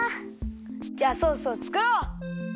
じゃあソースをつくろう！